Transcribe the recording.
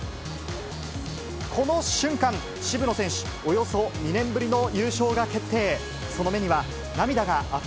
この瞬間、渋野選手、およそ２年ぶりの優勝が決定。